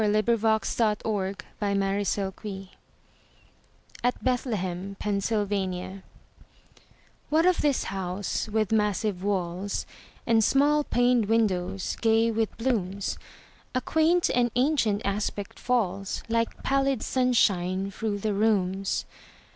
Sarah Orne Jewett The Widow's House (At Bethlehem, Pennsylvania) WHAT of this house with massive walls And small paned windows, gay with blooms? A quaint and ancient aspect falls Like pallid sunshine through the rooms.